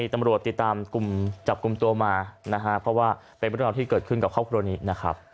ตำรวจติดตามจับกลุ่มตัวมานะฮะเพราะว่าเป็นเรื่องราวที่เกิดขึ้นกับครอบครัวนี้นะครับ